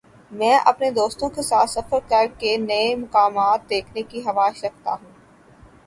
میں اپنے دوستوں کے ساتھ سفر کر کے نئی مقامات دیکھنے کی خواہش رکھتا ہوں۔